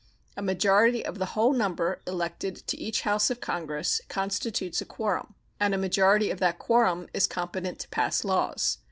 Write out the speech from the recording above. A majority of the whole number elected to each House of Congress constitutes a quorum, and a majority of that quorum is competent to pass laws.